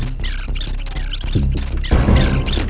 apa khususnya atau ke aspiration